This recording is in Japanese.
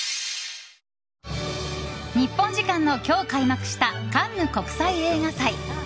日本時間の今日開幕したカンヌ国際映画祭。